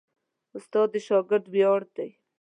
استاد د شاګرد ویاړ دی.